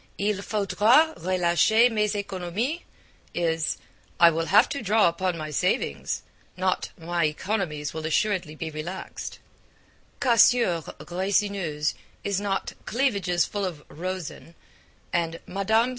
'Il faudra relacher mes Economies' is 'I will have to draw upon my savings,' not 'my economies will assuredly be relaxed'; 'cassures resineuses' is not 'cleavages full of rosin,' and 'Mme.